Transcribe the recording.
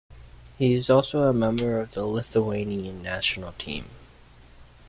He is also a member of the Lithuanian national team.